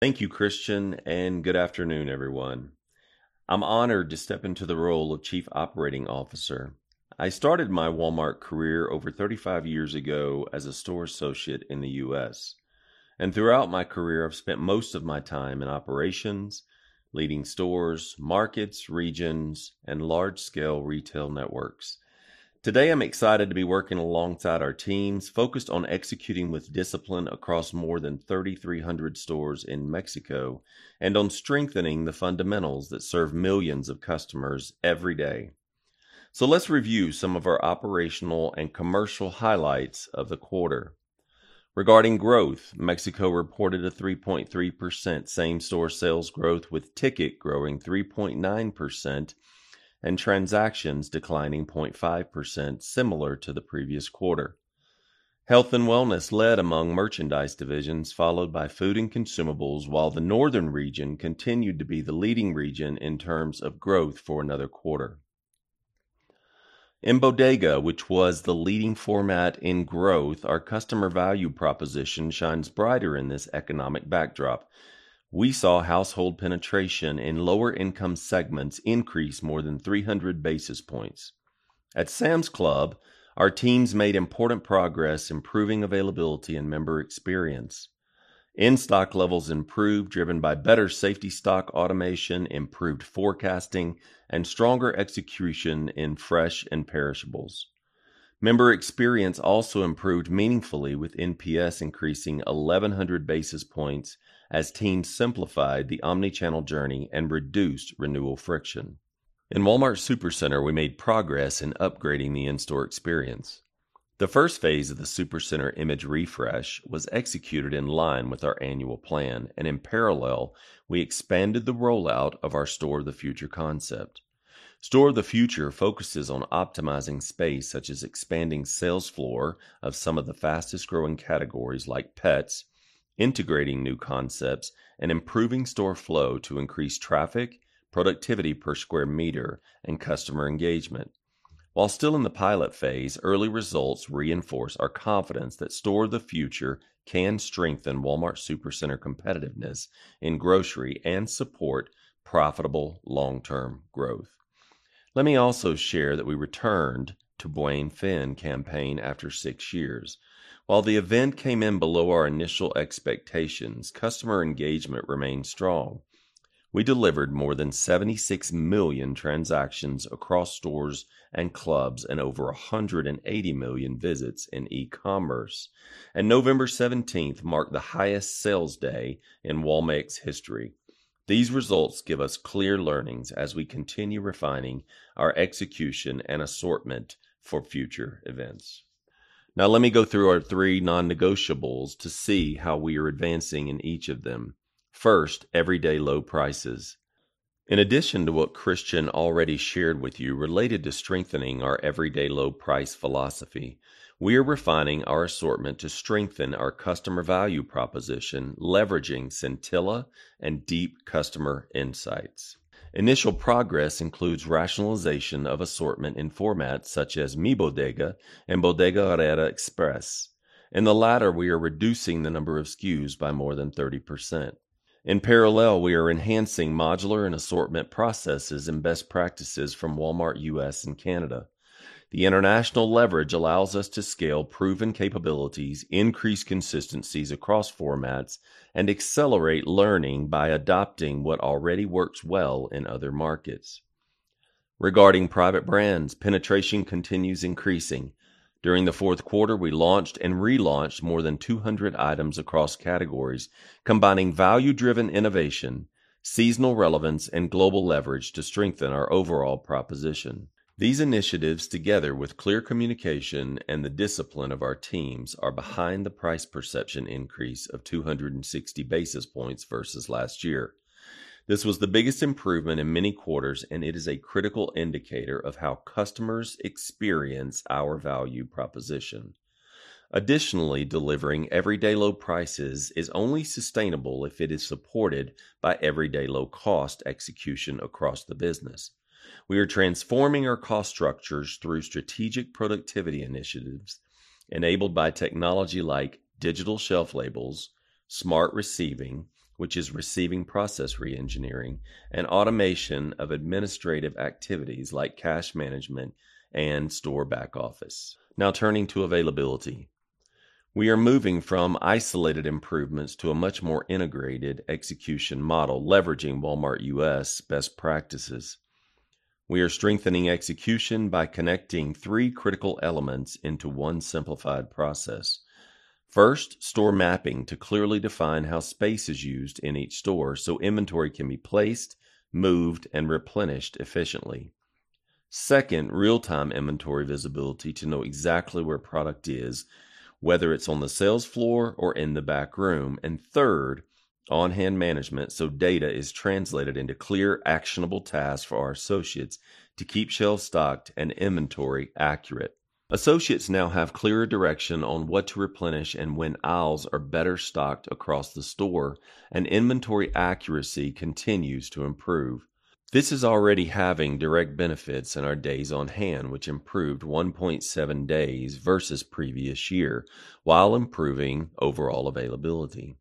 Thank you, Cristian, and good afternoon, everyone. I'm honored to step into the role of Chief Operating Officer. I started my Walmart career over 35 years ago as a store associate in the U.S., and throughout my career, I've spent most of my time in operations, leading stores, markets, regions, and large-scale retail networks. Today, I'm excited to be working alongside our teams, focused on executing with discipline across more than 3,000 stores in Mexico, and on strengthening the fundamentals that serve millions of customers every day. So let's review some of our operational and commercial highlights of the quarter. Regarding growth, Mexico reported a 3.3% same-store sales growth, with ticket growing 3.9% and transactions declining 0.5%, similar to the previous quarter. Health & Wellness led among merchandise divisions, followed by Food & Consumables, while the Northern Region continued to be the leading region in terms of growth for another quarter. In Bodega, which was the leading format in growth, our customer value proposition shines brighter in this economic backdrop. We saw household penetration in lower income segments increase more than 300 basis points. At Sam's Club, our teams made important progress, improving availability and member experience. In-stock levels improved, driven by better safety stock automation, improved forecasting, and stronger execution in fresh and perishables. Member experience also improved meaningfully, with NPS increasing 1,100 basis points as teams simplified the omnichannel journey and reduced renewal friction. In Walmart Supercenter, we made progress in upgrading the in-store experience. The first phase of the Supercenter image refresh was executed in line with our annual plan, and in parallel, we expanded the rollout of our Store of the Future concept. Store of the Future focuses on optimizing space, such as expanding sales floor of some of the fastest growing categories like pets, integrating new concepts, and improving store flow to increase traffic, productivity per square meter, and customer engagement. While still in the pilot phase, early results reinforce our confidence that Store of the Future can strengthen Walmart Supercenter competitiveness in grocery and support profitable long-term growth. Let me also share that we returned to Buen Fin campaign after six years. While the event came in below our initial expectations, customer engagement remained strong. We delivered more than 76 million transactions across stores and clubs and over 180 million visits in e-commerce. November 17 marked the highest sales day in Walmex history. These results give us clear learnings as we continue refining our execution and assortment for future events. Now, let me go through our three non-negotiables to see how we are advancing in each of them. First, everyday low prices. In addition to what Cristian already shared with you related to strengthening our everyday low price philosophy, we are refining our assortment to strengthen our customer value proposition, leveraging Centella and deep customer insights. Initial progress includes rationalization of assortment in formats such as Mi Bodega Aurrera and Bodega Aurrera Express. In the latter, we are reducing the number of SKUs by more than 30%. In parallel, we are enhancing modular and assortment processes and best practices from Walmart U.S. and Canada. The international leverage allows us to scale proven capabilities, increase consistencies across formats, and accelerate learning by adopting what already works well in other markets. Regarding private brands, penetration continues increasing. During the fourth quarter, we launched and relaunched more than 200 items across categories, combining value-driven innovation, seasonal relevance, and global leverage to strengthen our overall proposition. These initiatives, together with clear communication and the discipline of our teams, are behind the price perception increase of 260 basis points versus last year. This was the biggest improvement in many quarters, and it is a critical indicator of how customers experience our value proposition. Additionally, delivering everyday low prices is only sustainable if it is supported by everyday low-cost execution across the business. We are transforming our cost structures through strategic productivity initiatives enabled by technology like digital shelf labels, Smart Receiving, which is receiving process reengineering, and automation of administrative activities like cash management and store back office. Now turning to availability. We are moving from isolated improvements to a much more integrated execution model, leveraging Walmart U.S. best practices. We are strengthening execution by connecting three critical elements into one simplified process. First, store mapping to clearly define how space is used in each store, so inventory can be placed, moved, and replenished efficiently. Second, real-time inventory visibility to know exactly where product is, whether it's on the sales floor or in the back room. And third, on-hand management, so data is translated into clear, actionable tasks for our associates to keep shelves stocked and inventory accurate. Associates now have clearer direction on what to replenish and when aisles are better stocked across the store, and inventory accuracy continues to improve. This is already having direct benefits in our days on hand, which improved 1.7 days versus previous year, while improving overall availability...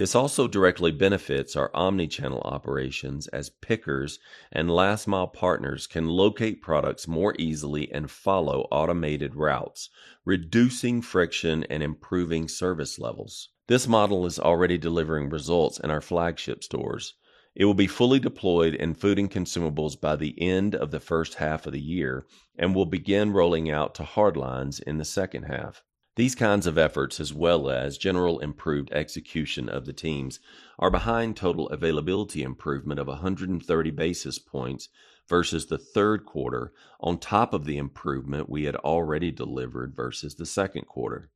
This also directly benefits our omni-channel operations, as pickers and last mile partners can locate products more easily and follow automated routes, reducing friction and improving service levels. This model is already delivering results in our flagship stores. It will be fully deployed in Food & Consumables by the end of the first half of the year and will begin rolling out to Hardlines in the second half. These kinds of efforts, as well as general improved execution of the teams, are behind total availability improvement of 130 basis points versus the third quarter, on top of the improvement we had already delivered versus the second quarter.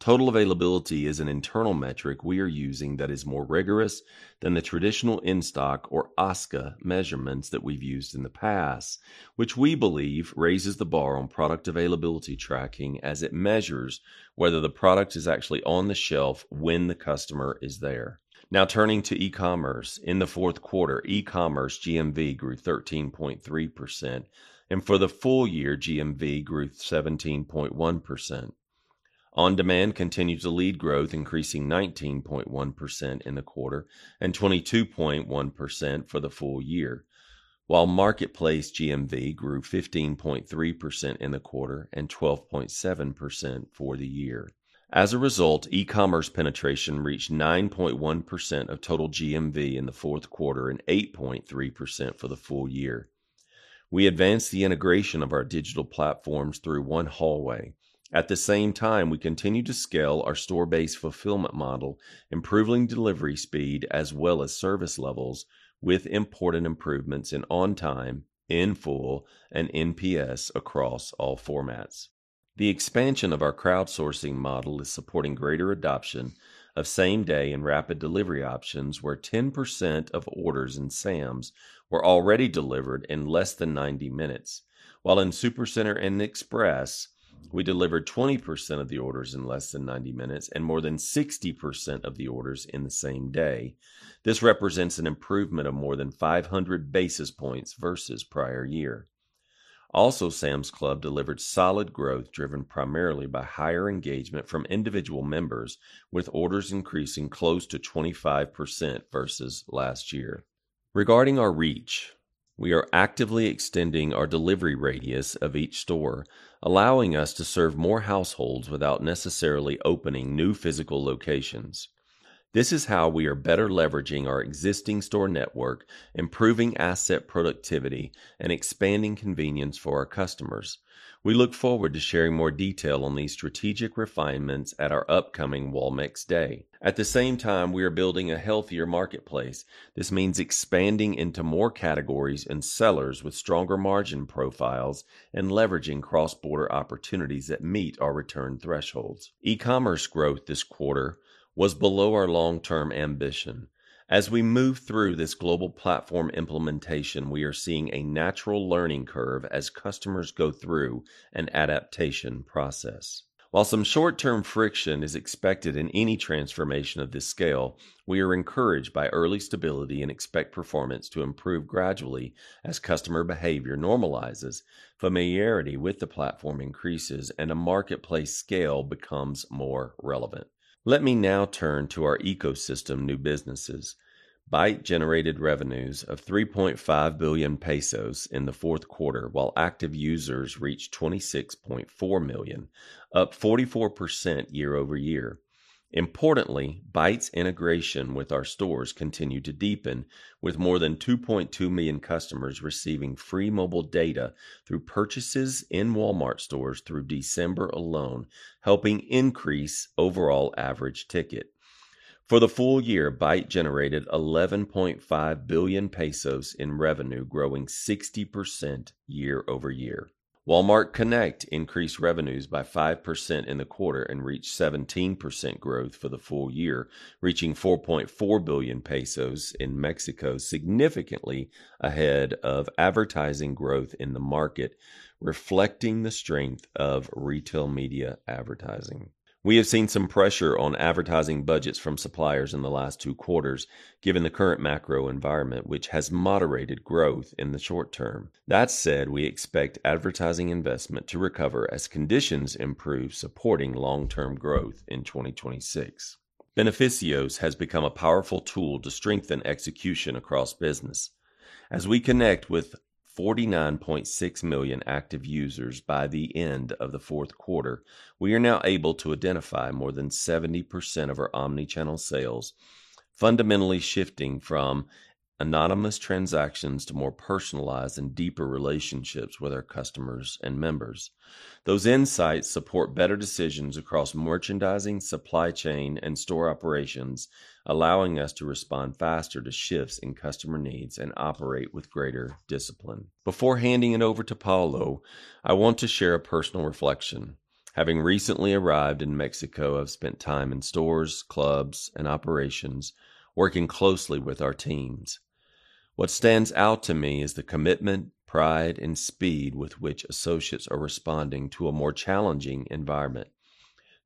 Total availability is an internal metric we are using that is more rigorous than the traditional in-stock or OSCA measurements that we've used in the past, which we believe raises the bar on product availability tracking as it measures whether the product is actually on the shelf when the customer is there. Now, turning to e-commerce. In the fourth quarter, e-commerce GMV grew 13.3%, and for the full year, GMV grew 17.1%. On-demand continues to lead growth, increasing 19.1% in the quarter and 22.1% for the full year, while Marketplace GMV grew 15.3% in the quarter and 12.7% for the year. As a result, e-commerce penetration reached 9.1% of total GMV in the fourth quarter and 8.3% for the full year. We advanced the integration of our digital platforms through one hallway. At the same time, we continued to scale our store-based fulfillment model, improving delivery speed as well as service levels, with important improvements in on-time, in-full, and NPS across all formats. The expansion of our crowdsourcing model is supporting greater adoption of same-day and rapid delivery options, where 10% of orders in Sam's were already delivered in less than 90 minutes, while in Supercenter and Express, we delivered 20% of the orders in less than 90 minutes and more than 60% of the orders in the same day. This represents an improvement of more than 500 basis points versus prior year. Also, Sam's Club delivered solid growth, driven primarily by higher engagement from individual members, with orders increasing close to 25% versus last year. Regarding our reach, we are actively extending our delivery radius of each store, allowing us to serve more households without necessarily opening new physical locations. This is how we are better leveraging our existing store network, improving asset productivity, and expanding convenience for our customers. We look forward to sharing more detail on these strategic refinements at our upcoming Walmex Day. At the same time, we are building a healthier marketplace. This means expanding into more categories and sellers with stronger margin profiles and leveraging cross-border opportunities that meet our return thresholds. E-commerce growth this quarter was below our long-term ambition. As we move through this global platform implementation, we are seeing a natural learning curve as customers go through an adaptation process. While some short-term friction is expected in any transformation of this scale, we are encouraged by early stability and expect performance to improve gradually as customer behavior normalizes, familiarity with the platform increases, and a marketplace scale becomes more relevant. Let me now turn to our ecosystem new businesses. Bait generated revenues of 3.5 billion pesos in the fourth quarter, while active users reached 26.4 million, up 44% year-over-year. Importantly, Bait's integration with our stores continued to deepen, with more than 2.2 million customers receiving free mobile data through purchases in Walmart stores through December alone, helping increase overall average ticket. For the full year, Bait generated 11.5 billion pesos in revenue, growing 60% year-over-year. Walmart Connect increased revenues by 5% in the quarter and reached 17% growth for the full year, reaching 4.4 billion pesos in Mexico, significantly ahead of advertising growth in the market, reflecting the strength of retail media advertising. We have seen some pressure on advertising budgets from suppliers in the last two quarters, given the current macro environment, which has moderated growth in the short term. That said, we expect advertising investment to recover as conditions improve, supporting long-term growth in 2026. Beneficios has become a powerful tool to strengthen execution across business. As we connect with 49.6 million active users by the end of the fourth quarter, we are now able to identify more than 70% of our omni-channel sales, fundamentally shifting from anonymous transactions to more personalized and deeper relationships with our customers and members. Those insights support better decisions across merchandising, supply chain, and store operations, allowing us to respond faster to shifts in customer needs and operate with greater discipline. Before handing it over to Paulo, I want to share a personal reflection. Having recently arrived in Mexico, I've spent time in stores, clubs, and operations, working closely with our teams. What stands out to me is the commitment, pride, and speed with which associates are responding to a more challenging environment.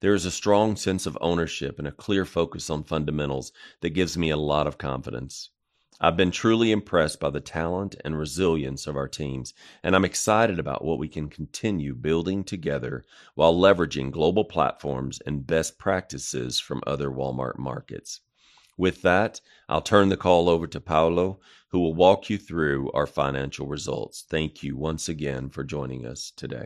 There is a strong sense of ownership and a clear focus on fundamentals that gives me a lot of confidence. I've been truly impressed by the talent and resilience of our teams, and I'm excited about what we can continue building together while leveraging global platforms and best practices from other Walmart markets. With that, I'll turn the call over to Paulo, who will walk you through our financial results. Thank you once again for joining us today.